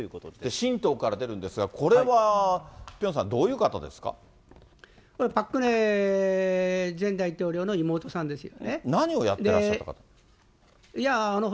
新党から出るんですが、これはピョンさん、どういう方ですかパク・クネ前大統領の妹さん何をやってらっしゃる方？